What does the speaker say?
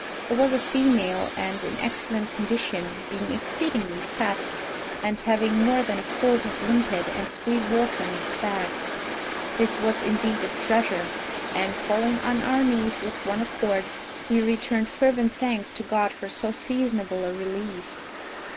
It was a female, and in excellent condition, being exceedingly fat, and having more than a quart of limpid and sweet water in its bag. This was indeed a treasure; and, falling on our knees with one accord, we returned fervent thanks to God for so seasonable a relief.